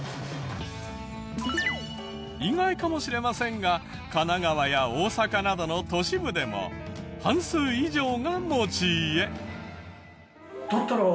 意外かもしれませんが神奈川や大阪などの都市部でも半数以上が持ち家。